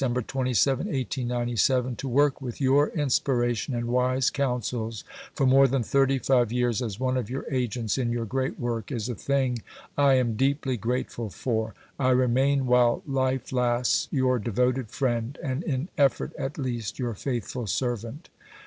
27, 1897), "to work with your inspiration and wise counsels for more than 35 years as one of your agents in your great work is a thing I am deeply grateful for. I remain while life lasts your devoted friend, and in effort at least your faithful servant."